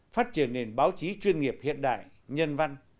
phát triển nền báo chí chuyên nghiệp hiện đại nhân văn